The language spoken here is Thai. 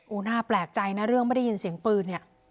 โอ้โหน่าแปลกใจนะเรื่องไม่ได้ยินเสียงปืนเนี่ย